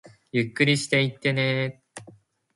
ゆっくりしていってねー